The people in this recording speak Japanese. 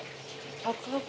サクサク。